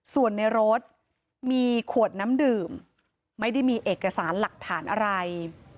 ส่วนในรถมีขวดน้ำดื่มไม่ได้มีเอกสารหลักฐานอะไร